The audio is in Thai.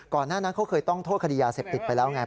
หน้านั้นเขาเคยต้องโทษคดียาเสพติดไปแล้วไง